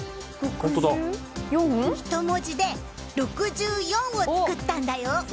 人文字で６４を作ったんだよ！